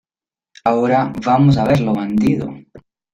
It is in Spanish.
¡ ahora vamos a verlo, bandido!